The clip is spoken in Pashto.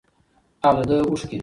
او دده اوښكي